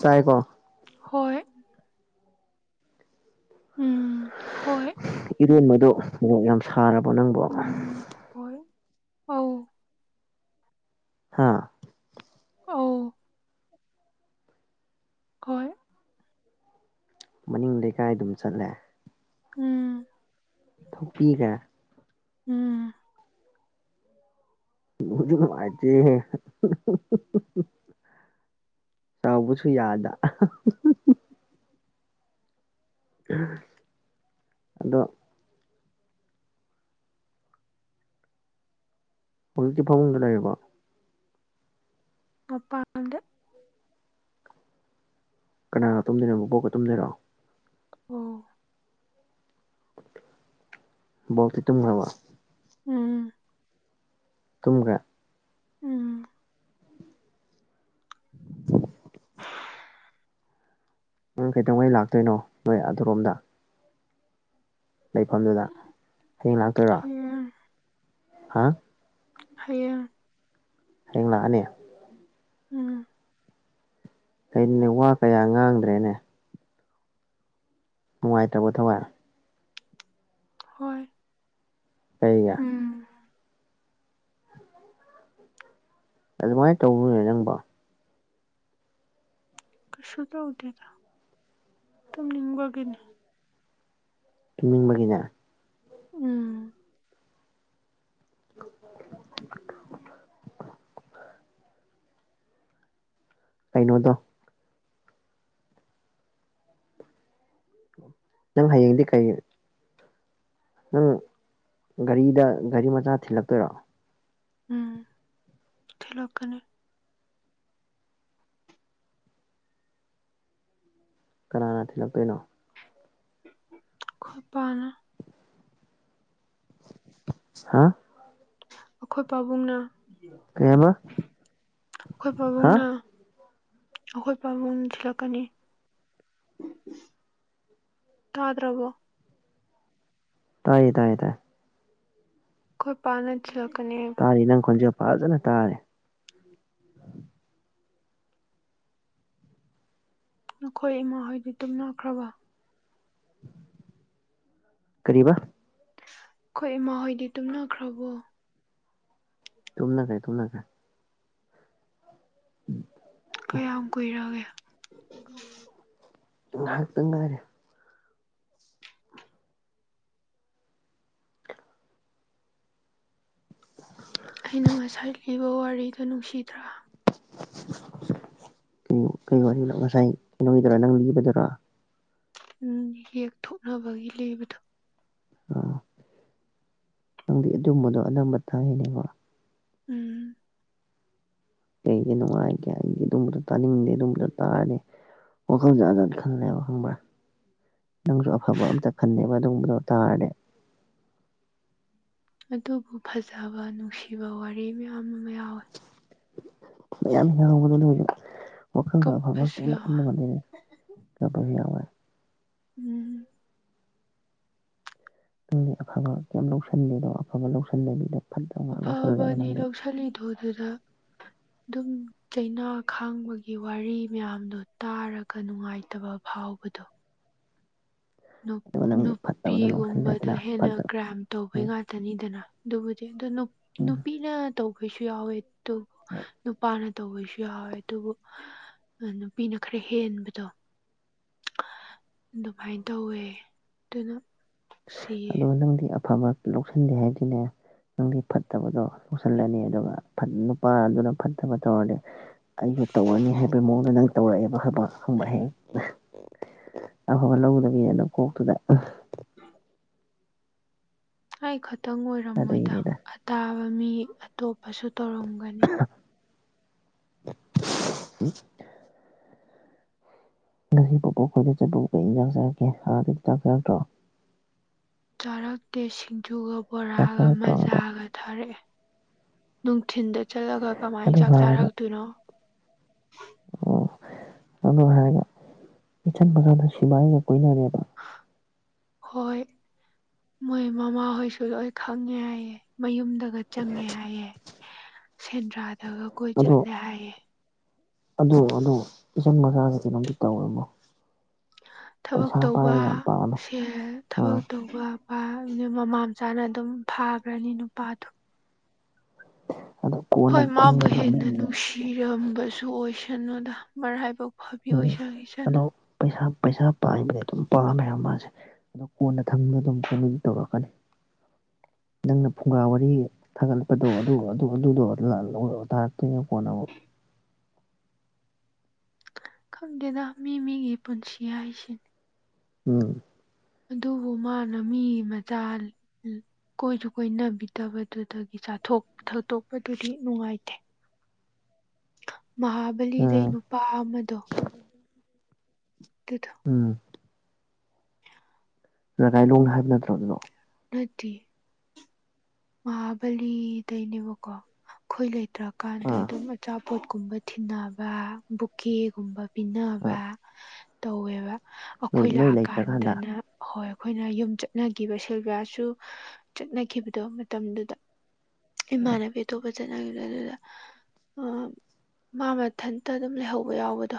ꯆꯥꯏ ꯀꯣ ꯍꯣꯏ ꯎꯝ ꯍꯣꯏ ꯏꯔꯦꯟꯕꯗꯨ ꯃꯔꯣꯛ ꯌꯥꯝ ꯁꯥꯔꯕꯣ ꯅꯪꯕꯣ ꯎꯝ ꯍꯣꯏ ꯑꯧ ꯍꯥꯥ ꯑꯧ ꯍꯣꯏ ꯃꯅꯤꯡ ꯂꯩꯀꯥꯏ ꯑꯗꯨꯝ ꯆꯠꯂꯦ ꯎꯝ ꯊꯣꯛꯄꯤꯒ ꯎꯝ ꯅꯨꯡꯕꯨꯗꯤ ꯅꯨꯡꯉꯥꯏ ꯇꯦꯍꯦ ꯁꯥꯎꯕꯥꯁꯨꯨ ꯌꯥꯗ ꯑꯗꯣ ꯍꯧꯖꯤꯛꯇꯤ ꯐꯃꯨꯡꯗ ꯂꯩꯔꯥꯕꯣ ꯃꯄꯥꯥꯟꯗ ꯀꯅꯥꯒ ꯇꯨꯝꯗꯣꯏꯅꯣ ꯕꯣꯛꯀ ꯇꯨꯝꯗꯣꯏꯔꯣ ꯑꯧ ꯕꯣꯛꯇꯤ ꯇꯨꯝꯈ꯭ꯔꯕꯣ ꯎꯝ ꯇꯨꯝꯈ꯭ꯔꯦ ꯎꯝ [unintelligible] ꯅꯪ ꯀꯩꯗꯧꯉꯩ ꯂꯥꯛꯇꯣꯏꯅꯣ ꯅꯣꯏ ꯑꯗꯨꯔꯣꯝꯗ ꯂꯩꯐꯝꯗꯨꯗ ꯍꯌꯦꯡ ꯂꯥꯛꯇꯣꯏꯔꯣ ꯍꯌꯦꯡ ꯍꯥ ꯍꯥꯏꯌꯦꯡ ꯍꯥꯌꯦꯡ ꯂꯥꯛꯑꯅꯤ ꯎꯝ ꯀꯩꯅꯣꯅꯦ ꯋꯥ ꯀꯌꯥ ꯉꯥꯡꯗ꯭ꯔꯦꯅꯦ ꯅꯨꯡꯉꯥꯏꯇꯕꯔꯣ ꯊꯥꯋꯥꯏ ꯍꯣꯏ ꯀꯩꯒꯤ ꯎꯝ [unintelligible] ꯑꯗꯨꯃꯥꯏ ꯇꯧꯅꯨꯅꯦ ꯅꯪꯕꯨ ꯀꯩꯁꯨ ꯇꯧꯗꯦꯗ ꯇꯨꯝꯅꯤꯡꯕꯒꯦꯅꯤ ꯇꯤꯅꯤꯡꯕꯒꯤꯅꯦ ꯎꯝ [unintelligible] ꯀꯩꯅꯣꯗꯣ ꯅꯪ ꯍꯥꯏꯌꯦꯡ ꯗꯦ ꯈꯌꯦ ꯅꯪ ꯒꯥꯔꯤꯗ ꯒꯥꯔꯤ ꯃꯆꯥ ꯊꯤꯜꯂꯛꯇꯣꯏꯔꯣ ꯎꯝ ꯈꯜꯂꯀꯅ ꯀꯅꯥꯅ ꯊꯤꯜꯂꯛꯇꯣꯏꯅꯣ ꯈꯣꯏ ꯄꯥꯅꯥ ꯍꯥ ꯑꯩꯈꯣꯏ ꯄꯥꯕꯨꯡꯅ ꯑꯩꯈꯣꯏ ꯄꯥꯕꯨꯡꯅ [unintelligible] ꯑꯩꯈꯣꯏ ꯄꯥꯕꯨꯡ ꯊꯤꯜꯂꯛꯀꯅꯤ ꯇꯥꯗ꯭ꯔꯕꯣ ꯇꯥꯏ ꯇꯥꯏ ꯇꯥꯏ ꯑꯩꯈꯣꯏ ꯄꯕꯨꯡꯅ ꯇꯥꯔ ꯏꯅꯪ ꯈꯖ ꯄꯔꯖꯅ ꯇꯥꯔꯦ ꯅꯈꯣꯏ ꯏꯃꯥꯍꯣꯏꯗꯤ ꯇꯨꯝꯅꯈ꯭ꯔꯕ ꯀꯕꯥ ꯑꯩꯈꯣꯏ ꯏꯃꯥ ꯍꯣꯏꯗꯤ ꯇꯨꯝꯅꯈ꯭ꯔꯕꯣ ꯇꯨꯝꯅ ꯀꯥꯏ ꯇꯨꯝꯅ ꯀꯥꯏ ꯀꯌꯥꯝ ꯀꯨꯏꯔꯒꯦ ꯉꯥꯏꯍꯥꯛꯇ ꯉꯔꯦ ꯑꯩꯅ ꯉꯁꯥꯏ ꯂꯤꯕ ꯋꯥꯔꯤꯗꯣ ꯅꯨꯡꯁꯤꯗ꯭ꯔꯥ ꯀꯔꯤ ꯉꯁꯥꯏ ꯀꯩꯅꯣꯒꯤꯗꯣꯏꯔꯥ ꯅꯪ ꯂꯤꯕꯗꯨꯔꯥ ꯎꯝ ꯌꯦꯛꯊꯣꯛꯅꯕꯒꯤ ꯂꯩꯕꯗꯣ ꯑꯥ ꯅꯪꯗꯤ ꯑꯗꯨꯝꯕꯗꯣ ꯑꯅꯝꯕ ꯇꯥꯏꯔꯤꯅꯦꯕꯣ ꯎꯝ ꯀꯩꯒꯤ ꯅꯨꯡꯉꯥꯏꯇꯦ ꯑꯩ ꯇꯨꯝꯕ꯭ꯔ ꯇꯥꯅꯤꯡꯗꯦ ꯑꯗꯨꯨꯝ꯭ꯔ ꯇꯅꯦ ꯋꯥꯈꯜ ꯖꯥꯠ ꯖꯥꯠ ꯈꯥꯟ ꯂꯩ ꯈꯕ꯭ꯔ ꯅꯪꯁꯨ ꯑꯐꯕ ꯑꯝꯇ ꯈꯟꯅꯦꯕ ꯑꯗꯨꯒꯕꯗꯣ ꯇꯥꯔꯗꯤ ꯑꯗꯨꯕꯨ ꯐꯖꯕ ꯅꯨꯡꯁꯤꯕ ꯋꯥꯔꯤ ꯃꯌꯥꯝ ꯑꯃ ꯌꯥꯎꯋꯤ ꯃꯌꯥꯝ ꯌꯥꯕꯗꯅ ꯋꯥꯈꯜꯗ ꯑꯐꯕ ꯀꯞꯄꯁꯨ ꯀꯔꯤꯝ ꯌꯥꯎꯋꯦ ꯈꯟꯕꯒꯅꯤꯅ ꯀꯄꯁꯨ ꯌꯥꯎꯋꯦ ꯎꯝ ꯅꯪ ꯑꯐꯕ ꯀꯌꯥꯝ ꯂꯧꯁꯟꯦꯗꯣ ꯑꯐꯕ ꯂꯧꯁꯟꯗꯕꯤꯗ ꯐꯠꯇꯕ ꯉꯥꯛ ꯂꯧꯁꯜꯂꯦꯕ ꯑꯐꯕꯅꯤ ꯅꯪꯗꯤ ꯂꯧꯁꯤꯜꯂꯤꯗꯣ ꯑꯗꯨꯗ ꯑꯗꯨꯝ ꯆꯩꯅꯥ ꯈꯥꯡꯕꯒꯤ ꯋꯥꯔꯤ ꯃꯌꯥꯝꯗꯣ ꯇꯥꯔꯒ ꯅꯨꯡꯉꯥꯏꯇꯕ ꯐꯥꯎ ꯗꯣ ꯑꯗꯨꯒ ꯅꯪꯗꯤ ꯐꯠꯇꯕꯗꯣ ꯅꯨꯄꯤꯒꯨꯝꯕꯗ ꯂꯧꯁꯜꯂꯦꯗꯅ ꯍꯦꯟꯅ ꯐꯠꯇꯕ ꯀ꯭ꯔꯥꯏꯝ ꯇꯧꯕꯩ ꯎꯝ ꯉꯥꯛꯇꯅꯤꯗꯅ ꯑꯗꯨꯕꯨꯗꯤ ꯑꯗꯣ ꯎꯝ ꯅꯨꯄꯤꯅ ꯇꯧꯕꯁꯨ ꯌꯥꯎꯋꯦ ꯑꯗꯨꯕꯨ ꯅꯨꯄꯥꯅ ꯇꯧꯕꯁꯨ ꯌꯥꯎꯋꯦ ꯑꯗꯨꯕꯨ ꯅꯨꯄꯤꯅ ꯈꯔ ꯍꯦꯟꯕꯗꯣ ꯑꯗꯨꯃꯥꯏꯅ ꯇꯧꯋꯦ ꯑꯗꯨꯅ ꯑ ꯅꯨꯡꯁꯤꯌꯦ ꯅꯪꯗꯤ ꯑꯐꯕ ꯂꯧꯁꯟꯗꯦ ꯍꯥꯏꯁꯤꯅꯦ ꯅꯪꯒꯤ ꯐꯠꯇꯕꯗꯣ ꯂꯁꯤꯜꯂꯅꯤ ꯑꯗꯨꯒ ꯅꯨꯄꯥꯗꯨꯅ ꯐꯠꯇꯕ ꯇꯧꯔꯗꯤ ꯑꯩ ꯇꯧꯔꯅꯤ ꯍꯥꯏꯕꯒꯤ ꯃꯑꯣꯡꯗ ꯅꯪ ꯇꯧꯔꯛꯑꯦꯕ ꯍꯥꯏꯕ ꯍꯪꯕ ꯍꯌꯦꯡ ꯑꯐꯕ ꯂꯧꯗꯕꯤꯅ ꯀꯣꯛꯇꯨꯗ ꯑ ꯑꯩ ꯈꯇꯪ ꯑꯣꯏꯔꯝꯃꯣꯏꯗ ꯑꯗꯨꯒꯤꯅꯤꯗ ꯑꯇꯥꯕ ꯃꯤ ꯑꯇꯣꯞꯄꯁꯨ ꯇꯧꯔꯝꯒꯅꯤ [unintelligible] ꯉꯁꯤ ꯄꯕꯣꯛ ꯑꯩꯈꯣꯏꯗ ꯆꯠꯄꯕꯨ ꯆꯥꯛ ꯆꯔꯛꯀꯦ ꯑꯥꯗꯤ ꯆꯥꯛ ꯆꯔꯛꯇ꯭ꯔꯣ ꯆꯥꯔꯛꯇꯦ ꯁꯤꯡꯖꯨꯒ ꯆꯥꯛ ꯕꯣꯔꯥꯒ ꯆꯥꯔꯛꯇ꯭ꯔꯣ ꯑꯗ ꯃꯖꯥꯒ ꯊꯔꯛꯑꯦ ꯅꯨꯡꯊꯤꯟꯗ ꯆꯠꯂꯒ ꯀꯃꯥꯏꯅ ꯑꯗꯨ ꯆꯥꯛ ꯍꯥꯏꯔꯒ ꯆꯥꯔꯛꯇꯣꯏꯅꯣ ꯑꯣ ꯑꯗꯨ ꯍꯥꯏꯕ ꯏꯆꯟꯗꯨꯒ [unintelligible] ꯀꯣꯏꯅꯔꯦ ꯍꯣꯏ ꯃꯣꯏ ꯃꯃꯥꯍꯣꯏꯁꯨ ꯂꯣꯏ ꯈꯪꯉꯦ ꯍꯥꯏꯌꯦ ꯃꯌꯨꯝꯗꯒ ꯆꯪꯉꯦ ꯍꯥꯏꯌꯦ ꯁꯦꯟꯗ꯭ꯔꯥꯗꯒ ꯀꯣꯏ ꯑꯗꯣ ꯆꯠꯂꯦ ꯍꯥꯏꯌꯦ ꯑꯗꯨ ꯑꯗꯨ ꯏꯆꯟ ꯃꯆꯥꯗ ꯀꯩꯅꯣꯝꯇ ꯇꯝꯃꯝꯃꯣ ꯊꯕꯛ ꯇꯧꯕ ꯁꯦꯜ ꯊꯕꯛ ꯑꯥ ꯇꯧꯕ ꯄꯥ ꯃꯤ ꯃꯃꯥ ꯃꯆꯥꯅ ꯑꯗꯨꯝ ꯐꯥꯒ꯭ꯔꯅꯤ ꯅꯨꯄꯥꯗꯣ ꯑꯗꯣ ꯀꯣꯟꯅ ꯍꯣꯏ ꯃꯥꯕꯨ ꯈꯪꯉꯦꯕ ꯍꯦꯟꯅ ꯅꯨꯡꯁꯤꯔꯝꯕꯁꯨ ꯑꯣꯏꯁꯅꯨꯗ ꯃꯔꯥꯏꯕꯛ ꯐꯕꯤ ꯎꯝ ꯑꯣꯏꯖꯈꯤꯁꯅꯨ ꯑꯗꯣ ꯄꯩꯁꯥ ꯄꯩꯁꯥ ꯄꯥꯏꯕꯗꯤ ꯑꯗꯨꯝ ꯄꯥꯝꯃꯦ ꯍꯥꯏꯕ ꯃꯥꯁꯦ ꯑꯗꯣ ꯀꯣꯟꯅ ꯊꯪꯗ ꯑꯗꯨꯝ ꯀꯩꯅꯣꯗꯤ ꯇꯧꯔꯛꯀꯅꯤ [inaudible] ꯅꯪꯅ ꯐꯨꯡꯒꯥ ꯋꯥꯔꯤ ꯊꯥꯒꯠꯂꯛꯄꯗꯣ ꯑꯗꯨ ꯑꯗꯨꯗꯣ [unintelligible] ꯇꯥꯔꯛꯇꯣꯏꯅꯦ ꯀꯣꯟꯅ ꯑꯃꯨꯛ [inaudible] ꯈꯪꯗꯦꯗ ꯃꯤ ꯃꯤꯒꯤ ꯄꯨꯟꯁꯤ ꯍꯥꯏꯁꯤꯅꯤ ꯎꯝ ꯑꯗꯨꯕꯨ ꯃꯥꯅ ꯃꯤ ꯃꯆꯥ ꯀꯣꯏꯁꯨ ꯀꯣꯏꯅꯕꯤꯗꯕꯗꯨꯗꯒꯤ ꯆ ꯆꯥꯊꯣꯛ ꯊꯛꯇꯣꯛꯄꯗꯨꯗꯤ ꯅꯨꯡꯉꯥꯏꯇꯦ [inaudible] ꯃꯍꯥꯕꯂꯤꯗꯩ ꯎꯝ ꯅꯨꯄꯥ ꯑꯃꯗꯣ ꯑꯗꯨꯗꯣ ꯎꯝ ꯔꯒꯥꯏꯂꯣꯡ ꯍꯥꯏꯕ ꯅꯠꯇ꯭ꯔꯣ ꯑꯗꯨꯗꯣ ꯅꯠꯇꯤꯌꯦ ꯃꯍꯥꯕꯂꯤꯗꯩꯅꯦꯕꯀꯣ ꯑꯩꯈꯣꯏ ꯂꯩꯇ꯭ꯔꯀꯥꯟꯗ ꯑꯥ ꯑꯗꯨꯝ ꯑꯆꯥꯄꯣ ꯄꯣꯠꯀꯨꯝꯕ ꯊꯤꯟꯅꯕ ꯕꯨꯛꯀꯦꯒꯨꯝꯕ ꯄꯤꯅꯕ ꯑꯥ ꯇꯧꯋꯦꯕ ꯅꯣꯏ ꯑꯈꯣꯏ ꯅꯣꯏ ꯂꯩꯇ꯭ꯔꯀꯥꯟꯗ ꯂꯥꯛꯑꯀꯥꯟꯗꯅ ꯍꯣꯏ ꯑꯩꯈꯣꯏꯅ ꯌꯨꯝ ꯆꯠꯅꯒꯤꯕ ꯁꯤꯜꯚꯤꯌꯥꯁꯨ ꯆꯠꯅꯈꯤꯕꯗꯣ ꯃꯇꯝꯗꯨꯗ ꯏꯃꯥꯟꯅꯕꯤ ꯑꯇꯣꯞꯄ ꯆꯠꯅꯈꯤꯕ ꯑꯗꯨꯗ ꯃꯥ ꯃꯊꯟꯇ ꯑꯗꯨꯝ ꯂꯩꯍꯧꯕ ꯌꯥꯎꯕꯗꯣ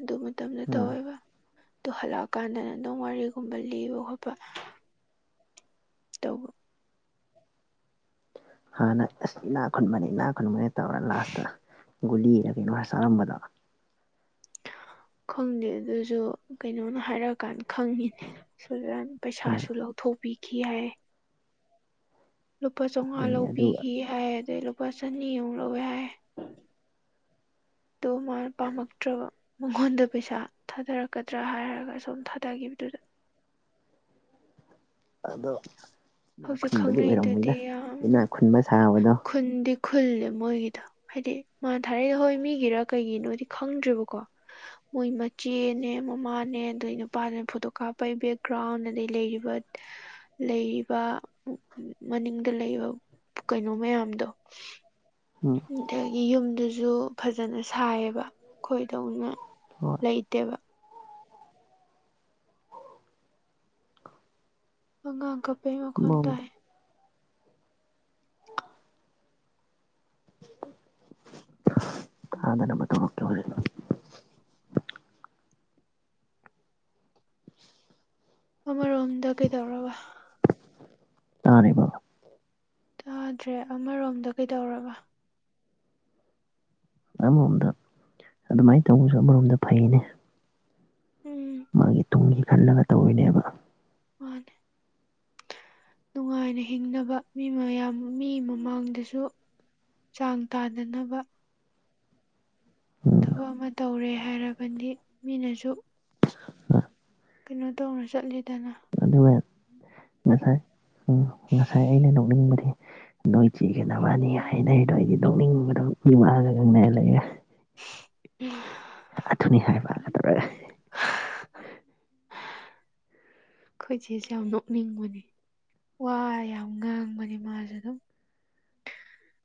ꯑꯗꯨ ꯃꯇꯝꯗ ꯎꯝ ꯇꯧꯋꯦꯕ ꯇꯨ ꯍꯜꯂꯛꯑꯀꯥꯟꯗꯅ ꯅꯪ ꯋꯥꯔꯤꯒꯨꯝꯕ ꯂꯤꯕ ꯈꯣꯠꯄ ꯇꯧꯕ [inaudible] ꯍꯥꯟꯅ ꯑꯁ ꯏꯅꯥ ꯈꯨꯟꯕꯅꯤ ꯏꯅꯥ ꯈꯨꯟꯕꯅꯤ ꯇꯧꯔ ꯂꯥꯁꯇ ꯒꯨꯂꯤꯔ ꯀꯩꯅꯣ ꯍꯥ ꯆꯥꯔꯝꯕꯗ ꯈꯪꯗꯦ ꯑꯗꯨꯁꯨ ꯀꯩꯅꯣꯅ ꯍꯥꯏꯔꯛꯑꯀꯥꯟꯗ ꯈꯪꯉꯤꯅꯦ ꯁꯤꯜꯚꯤꯌꯥꯅ ꯑꯗ ꯄꯩꯁꯥꯁꯨ ꯂꯧꯊꯣꯛꯄꯤꯈꯤ ꯍꯥꯏ ꯂꯨꯄꯥ ꯆꯝꯉꯥ ꯑꯗꯨꯏꯅꯦ ꯑꯗꯨ ꯂꯧꯕꯤꯈꯤ ꯍꯥꯏ ꯑꯗꯩ ꯂꯨꯄꯥ ꯆꯅꯤꯃꯨꯛ ꯂꯧꯋꯦ ꯍꯥꯏ [inaudible] ꯑꯗꯣ ꯃꯥꯅ ꯄꯥꯝꯃꯛꯇ꯭ꯔꯕ ꯃꯉꯣꯟꯗ ꯄꯩꯁꯥ ꯊꯥꯗꯔꯛꯀꯗ꯭ꯔꯥ ꯍꯥꯏꯔꯒ ꯁꯨꯝ ꯊꯥꯗꯒꯤꯕꯗꯨꯗ ꯑꯗꯣ ꯏꯅꯥꯛ ꯍꯧꯖꯤꯛ ꯈꯨꯟꯕꯗꯤ ꯈꯪꯅꯩꯗꯨꯗꯤ ꯑꯣꯏꯔꯝꯃꯣꯏꯗ ꯌꯥꯝꯅ ꯏꯅꯥꯛ ꯈꯨꯟꯕ ꯁꯥꯕꯗꯣ ꯈꯨꯟꯗꯤ ꯈꯨꯜꯂꯦ ꯃꯣꯏꯒꯤꯗꯣ ꯍꯥꯏꯗꯤ ꯃꯥꯅ ꯊꯥꯔꯛꯏꯗ ꯍꯣꯏ ꯃꯤꯒꯤꯔ ꯀꯩꯒꯤꯅꯣꯗꯤ ꯈꯪꯗ꯭ꯔꯕꯀꯣ ꯃꯣꯏ ꯃꯆꯦꯅꯦ ꯃꯃꯥꯅꯦ ꯑꯗꯩ ꯅꯨꯄꯥꯗꯨꯅꯦ ꯐꯣꯇꯣ ꯀꯥꯞꯄꯩ ꯕꯦꯛꯒ꯭ꯔꯥꯎꯟ ꯑꯗꯩ ꯂꯩꯔꯤꯕ ꯂꯩ ꯄꯥ ꯃꯅꯤꯡꯗ ꯂꯩꯕ ꯀꯩꯅꯣ ꯃꯌꯥꯝꯗꯣ ꯎꯝ ꯑꯗꯒꯤ ꯌꯨꯝꯗꯨꯁꯨ ꯐꯖꯅ ꯁꯥꯏꯌꯦꯕ ꯈꯣꯏꯗꯧꯅ ꯍꯣꯏ ꯂꯩꯇꯦꯕ ꯑꯪꯉꯥꯡ ꯀꯞꯄꯩ ꯃꯈꯣꯟ ꯑꯃꯔꯣꯝꯗ ꯇꯥꯏ [inaudible] ꯁꯥꯗꯅꯝꯕ ꯑꯃꯔꯣꯝꯗ ꯀꯩꯗꯧꯔꯕ ꯇꯥꯅꯤꯀ ꯇꯥꯗ꯭ꯔꯦ ꯑꯃꯔꯣꯝꯗ ꯀꯩꯗꯧꯔꯕ ꯑꯃꯔꯣꯝꯗ ꯑꯗꯨꯃꯥꯏꯅ ꯇꯧꯕꯁꯨ ꯑꯃꯔꯣꯝꯗ ꯐꯩꯅꯦ ꯎꯝ ꯃꯥꯒꯤ ꯇꯨꯡꯁꯤ ꯈꯜꯂꯒ ꯇꯧꯔꯤꯅꯦꯕ ꯃꯥꯅꯦ ꯅꯨꯡꯉꯥꯏꯅ ꯍꯤꯡꯅꯕ ꯃꯤ ꯃꯌꯥꯝ ꯃꯤ ꯃꯃꯥꯡꯗꯁꯨ ꯆꯥꯡ ꯇꯥꯅꯅꯕ ꯎꯝ ꯊꯕꯛ ꯑꯃ ꯇꯧꯔꯦ ꯍꯥꯏꯔꯕꯗꯤ ꯃꯤꯅꯁꯨ ꯑ ꯀꯩꯅꯣ ꯇꯧꯅ ꯆꯠꯂꯤꯦꯗꯅ ꯃꯁꯥꯏ ꯎꯝ ꯉꯁꯥꯏ ꯑꯩꯅ ꯅꯣꯛꯅꯤꯡꯕꯗꯤ ꯅꯣꯏ ꯆꯤꯒꯗꯅꯕꯅꯤ ꯍꯥꯏꯅ ꯍꯥꯏꯗꯣ ꯑꯩꯗꯤ ꯅꯣꯛꯅꯤꯡꯕꯗꯣ ꯃꯤꯃꯛꯥꯛꯑꯒ ꯉꯪꯅꯔ ꯂꯩꯒ ꯑꯗꯨꯊꯨꯅꯤ ꯍꯥꯏꯕꯒ ꯇꯧꯔꯒ ꯑꯩꯈꯣꯏ ꯎ ꯑꯩꯈꯣꯏꯁꯦꯁꯦ ꯌꯥꯝ ꯅꯣꯛꯅꯤꯡꯕꯅꯤ ꯋꯥ ꯌꯥꯝ ꯉꯥꯡꯕꯅꯤ ꯃꯥꯁꯨꯦ ꯑꯗꯨꯝ ꯎ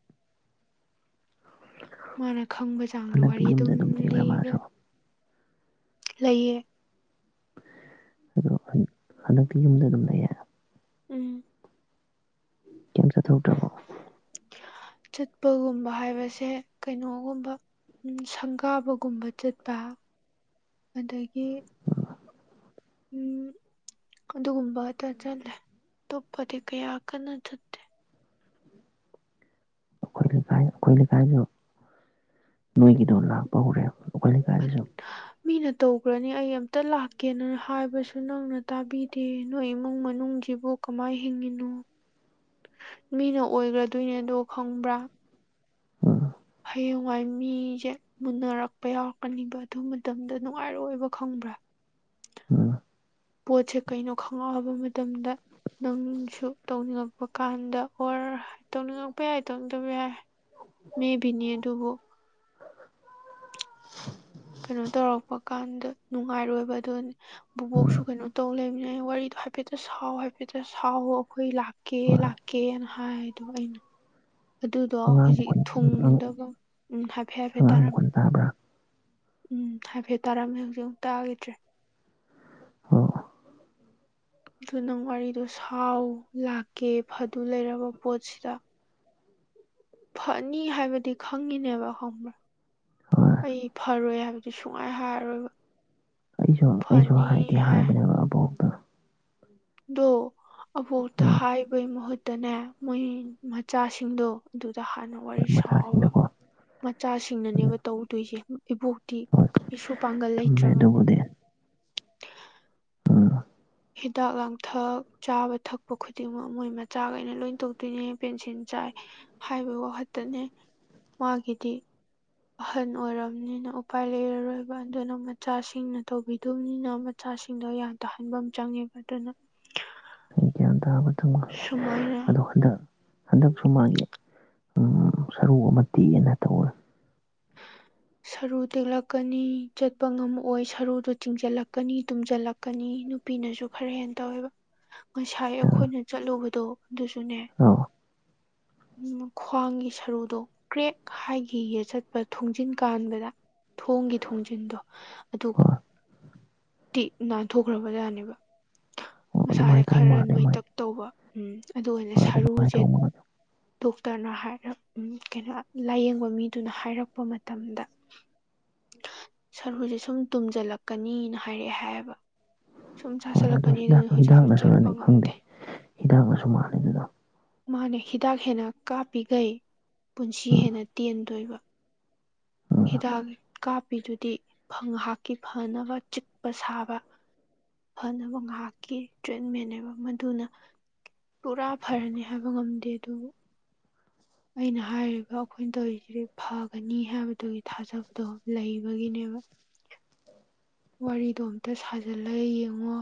ꯃꯥꯅ ꯈꯪꯕ ꯆꯥꯡꯗ ꯍꯟꯗꯛꯇꯤ ꯋꯥꯔꯤ ꯌꯨꯝꯗ ꯑꯗꯨꯝ ꯂꯩꯕ꯭ꯔꯥ ꯂꯤꯕ ꯃꯥꯁꯨ ꯂꯩꯌꯦ ꯑꯗꯣ ꯍꯟꯗꯛꯇꯤ ꯌꯨꯝꯗ ꯑꯗꯨꯝ ꯂꯩꯌꯦ ꯎꯝ ꯀꯦꯝ ꯆꯠ ꯊꯧꯗ꯭ꯔꯕꯣ ꯆꯠꯄꯒꯨꯝꯕ ꯍꯥꯏꯕꯁꯦ ꯀꯩꯅꯣꯒꯨꯝꯕ ꯁꯪꯒꯥꯕꯒꯨꯝꯕ ꯆꯠꯄ ꯑꯗꯒꯤ ꯎꯝ ꯑꯗꯨꯒꯨꯝꯕꯇ ꯆꯠꯂꯦ ꯑꯇꯣꯞꯄꯗꯤ ꯀꯌꯥ ꯀꯟꯅ ꯆꯠꯇꯦ ꯑꯩꯈꯣꯏ ꯂꯩꯀꯥꯏ ꯑꯩꯈꯣꯏ ꯂꯩꯀꯥꯏꯁꯨ ꯅꯣꯏꯒꯤꯗꯣ ꯂꯥꯛꯄ ꯍꯧꯔꯦꯕ ꯎ ꯀꯂꯤ ꯀꯥꯜꯖ ꯃꯤꯅ ꯇꯧꯈ꯭ꯔꯅꯤ ꯑꯩ ꯑꯝꯇ ꯂꯥꯛꯀꯦꯅ ꯍꯥꯏꯕꯁꯨ ꯅꯪꯅ ꯇꯥꯕꯤꯗꯦ ꯅꯣꯏ ꯏꯃꯨꯡ ꯃꯅꯨꯡꯁꯤꯕꯨ ꯀꯃꯥꯏꯅ ꯍꯤꯡꯉꯤꯅꯣ ꯃꯤꯅ ꯑꯣꯏꯈ꯭ꯔꯗꯣꯏꯅꯦꯗꯣ ꯈꯪꯕ꯭ꯔꯥ ꯑ ꯍꯌꯦꯡꯋꯥꯏ ꯃꯤꯁꯦ ꯃꯨꯟꯅꯔꯛꯄ ꯌꯥꯎꯔꯛꯀꯅꯤꯕ ꯑꯗꯨ ꯃꯇꯝꯗ ꯅꯨꯡꯉꯥꯏꯔꯣꯏꯕ ꯈꯪꯕ꯭ꯔꯥ ꯑ ꯄꯣꯠꯁꯦ ꯀꯩꯅꯣ ꯈꯪꯪꯂꯛꯑꯕ ꯃꯇꯝꯗ ꯅꯪꯁꯨ ꯇꯧꯅꯤꯡꯉꯛꯄ ꯀꯥꯟꯗ ꯑꯣꯔ ꯇꯧꯅꯤꯡꯉꯛꯄ ꯌꯥꯏ ꯇꯧꯅꯤꯡꯗꯕ ꯌꯥꯏ ꯃ ꯅꯤꯗꯨꯕꯨ [unintelligible] ꯀꯩꯅꯣ ꯇꯧꯔꯛꯄ ꯀꯥꯟꯗ ꯅꯨꯡꯉꯥꯏꯔꯣꯏꯕ ꯑꯗꯨꯅꯤ ꯕꯨꯕꯣꯛꯁꯨ ꯎꯝ ꯀꯩꯅꯣ ꯇꯧ ꯂꯩꯅꯤꯅ ꯋꯥꯔꯤ ꯍꯥꯏꯐꯦꯠꯇ ꯁꯥꯎ ꯍꯥꯏꯐꯦꯠꯇ ꯁꯥꯎꯋ ꯑꯩꯈꯣꯏ ꯂꯥꯛꯀꯦ ꯍꯣꯏ ꯂꯥꯛꯀꯦꯅ ꯍꯥꯏꯗꯣ ꯑꯩꯅ ꯑꯗꯨꯗꯣ ꯑꯉꯥꯡ ꯍꯧꯖꯤꯛ ꯃꯈꯣꯟ ꯎꯝ ꯊꯨꯡꯗꯕ ꯎ ꯍꯥꯏꯐꯦꯠ ꯍꯥꯏꯐꯦꯠ ꯑꯉꯥꯡ ꯇꯥꯔꯝꯃꯤ ꯃꯈꯣꯟ ꯇꯥꯕ꯭ꯔꯥ ꯎꯝ ꯍꯥꯏꯐꯦꯠ ꯇꯥꯔꯝꯃꯦ ꯍꯧꯖꯤꯛ ꯑꯃꯨꯛ ꯇꯥꯈꯤꯗ꯭ꯔꯦ ꯑꯣ ꯑꯗꯨ ꯅꯪ ꯋꯥꯔꯤꯗꯣ ꯁꯥꯎ ꯂꯥꯛꯀꯦ ꯐꯗꯨ ꯂꯩꯔꯕ ꯄꯣꯠꯁꯤꯗ ꯐꯅꯤ ꯍꯥꯏꯕꯗꯤ ꯈꯪꯉꯤꯅꯦꯕ ꯈꯪꯕ꯭ꯔꯥ ꯍꯣꯏ ꯑꯩ ꯐꯔꯣꯏ ꯍꯥꯏꯕꯗꯤ ꯁꯨꯡꯍꯥꯏ ꯍꯥꯏꯔꯔꯣꯏꯕ ꯑꯩꯁꯨ ꯑꯩꯁꯨ ꯐꯅꯤ ꯍꯥꯏꯗꯤ ꯍꯥꯏ ꯍꯥꯏꯕꯅꯦꯕ ꯑꯕꯣ ꯗꯣ ꯑꯕꯣꯛꯇ ꯎꯝ ꯍꯥꯏꯕꯩ ꯃꯍꯨꯠ ꯇꯅꯦ ꯃꯣꯏ ꯃꯆꯥꯁꯤꯡꯗꯣ ꯑꯗꯨ ꯍꯥꯟꯅ ꯍꯣꯏ ꯋꯥꯔꯤ ꯁꯥꯑꯣꯕ ꯃꯆꯥꯁꯤꯡꯗꯀꯣ ꯑꯗꯨ ꯃꯆꯥꯁꯤꯡꯅꯅꯦꯕ ꯇꯧꯗꯣꯏꯁꯦ ꯏꯕꯣꯛꯇꯤ ꯍꯣꯏ ꯀꯔꯤꯁꯨ ꯄꯥꯡꯒꯜ ꯆꯨꯝꯃꯦ ꯂꯩꯇ꯭ꯔꯕꯅꯦ ꯑꯗꯨꯕꯨꯗꯤ ꯎꯝ ꯍꯤꯗꯥꯛ ꯂꯥꯡꯊꯛ ꯆꯥꯕ ꯊꯛꯄ ꯈꯨꯗꯤꯡꯃꯛ ꯃꯣꯏ ꯃꯆꯥꯈꯩꯅ ꯂꯣꯏ ꯇꯧꯗꯣꯏꯅꯦ ꯄꯦꯟꯁꯤꯟ ꯆꯥꯏ ꯍꯥꯏꯕꯩ ꯋꯥꯈꯠꯇꯅꯦ ꯃꯥꯒꯤꯗꯤ ꯑꯍꯜ ꯑꯣꯏꯔꯕꯔꯕꯅꯤꯅ ꯎꯄꯥꯏ ꯂꯩꯔꯔꯣꯏꯕ ꯑꯗꯨꯅ ꯃꯆꯥꯁꯤꯡꯅ ꯇꯧꯕꯤꯗꯕꯅꯤꯅ ꯃꯆꯥꯁꯤꯡꯗꯣ ꯌꯥꯟ ꯇꯥꯍꯟꯕ ꯑꯃ ꯆꯪꯉꯦꯕ ꯑꯗꯨꯅ ꯁꯨꯃꯥꯏꯅ [inaudible] ꯑꯗꯣ ꯍꯟꯗ ꯍꯟꯗꯛꯁꯨ ꯃꯥꯒꯤ ꯎꯝ ꯁꯔꯨ ꯑꯃ ꯇꯦꯛꯑꯅ ꯇꯧꯋꯦ ꯁꯔꯨ ꯇꯦꯛꯂꯛꯀꯅꯤ ꯆꯠꯄ ꯉꯝꯃꯛꯑꯣꯏ ꯁꯔꯨꯗꯣ ꯆꯤꯡꯁꯤꯜꯂꯛꯀꯅꯤ ꯇꯨꯝꯁꯤꯜꯂꯛꯀꯅꯤ ꯅꯨꯄꯤꯅꯁꯨ ꯈꯔ ꯍꯦꯟꯅ ꯇꯧꯋꯦꯕ ꯉꯁꯥꯏ ꯑꯥ ꯑꯩꯈꯣꯏꯅ ꯆꯠꯂꯨꯕꯗꯣ ꯗꯨꯁꯨꯅꯦ ꯑꯧ ꯈ꯭ꯋꯥꯡꯒꯤ ꯁꯔꯨꯗꯣ ꯀ꯭ꯔꯦꯛ ꯍꯥꯏꯒꯤꯌꯦ ꯆꯠꯄ ꯊꯣꯡꯖꯤꯟ ꯀꯥꯟꯕꯗ ꯊꯣꯡꯒꯤ ꯊꯣꯡꯖꯤꯟꯗꯣ ꯑꯗꯨꯒ ꯍꯣꯏ ꯇꯤꯛ ꯅꯥꯟꯊꯣꯛꯈ꯭ꯔꯕ ꯖꯥꯠꯅꯦꯕ ꯑꯣ ꯃꯁꯥꯁꯦ ꯑꯗꯨꯃꯥꯏꯅ ꯇꯧ ꯈꯔ ꯃꯥꯜꯂꯦ ꯃꯥꯏ ꯅꯣꯏꯇꯛ ꯇꯧꯕ ꯎꯝ ꯑꯗꯨꯒ ꯑꯣꯏꯅ ꯍꯣꯏ ꯑꯗꯨꯃꯥꯏꯅ ꯁꯔꯨꯁꯦ ꯇꯧ ꯃꯥꯜꯂꯦ ꯗꯣꯛꯇꯔꯅ ꯍꯥꯏꯔ ꯎꯝ ꯀꯩꯅꯣ ꯂꯥꯏꯌꯦꯡꯕ ꯃꯤꯗꯨꯅ ꯍꯥꯏꯔꯛꯄ ꯃꯇꯝ [inaudible] ꯁꯔꯨꯁꯦ ꯁꯨꯝ ꯇꯨꯝꯖꯤꯜꯂꯛꯀꯅꯤꯅ ꯍꯥꯏꯔꯛꯑꯦ ꯍꯥꯏꯌꯦꯕ ꯁꯨꯝ ꯍꯣꯏ ꯑꯗꯨ ꯆꯥꯁꯤꯜꯂꯛꯀꯅꯤꯅ ꯍꯤꯗꯥꯛ ꯍꯧꯖꯤꯛꯁꯨ ꯆꯠꯄ ꯍꯤꯗꯥꯛꯅꯁꯨꯅꯤ ꯈꯪꯗꯦ ꯉꯝꯗꯦ ꯍꯤꯗꯥꯛꯅꯁꯨ ꯃꯥꯜꯂꯦ ꯑꯗꯨꯗꯣ ꯃꯥꯟꯅꯦ ꯍꯤꯗꯥꯛ ꯍꯦꯟꯅ ꯀꯥꯞꯄꯤꯈꯩ ꯄꯨꯟꯁꯤ ꯎꯝ ꯍꯦꯟꯅ ꯇꯦꯟꯗꯣꯏꯕ ꯎꯝ ꯅꯨꯄꯤꯗꯨꯗꯤ ꯉꯥꯏꯍꯥꯛꯀꯤ ꯐꯅꯕ ꯆꯤꯛꯄ ꯁꯥꯕ ꯐꯅꯕ ꯉꯥꯏꯍꯥꯛꯀꯤ ꯇ꯭ꯔꯤꯠꯃꯦꯟꯅꯦꯕ ꯃꯗꯨꯅ ꯄꯨꯔꯥ ꯐꯔꯅꯤ ꯍꯥꯏꯕ ꯉꯝꯗꯦ ꯑꯗꯨꯕꯨ ꯑꯩꯅ ꯍꯥꯏꯔꯤꯕ ꯑꯩꯈꯣꯏꯅ ꯇꯧꯔꯤꯁꯤꯗꯤ ꯐꯒꯅꯤ ꯍꯥꯏꯕꯗꯨꯒꯤ ꯊꯥꯖꯕꯗꯣ ꯂꯩꯕꯒꯤꯅꯦ [unintelligible] [inaudible] ꯋꯥꯔꯤꯗꯣ ꯑꯝꯇ ꯁꯥꯖꯜꯂ ꯌꯦꯡꯉꯣ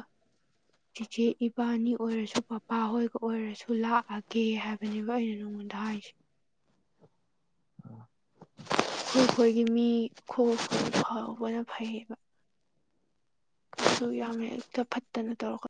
ꯆꯦꯆꯦ ꯏꯕꯥꯅꯤ ꯑꯣꯏꯔꯁꯨ ꯄꯄꯥꯍꯣꯏꯒ ꯑꯣꯏꯔꯁꯨ ꯂꯥꯛꯑꯒꯦ ꯍꯥꯏꯕꯅꯦꯕ ꯑꯩꯅ ꯅꯣꯡꯃ ꯥꯗ ꯍꯥꯏꯁꯤ [inaudible] ꯈꯣꯏ ꯈꯣꯏꯒꯤ ꯃꯤ ꯈꯣꯏ ꯈꯣꯏ ꯐꯍꯧꯕꯅ ꯐꯩꯌꯦꯕ ꯀꯩꯁꯨ ꯌꯥꯝ ꯍꯦꯛꯇ ꯐꯠꯇꯅ ꯇꯧꯔꯀ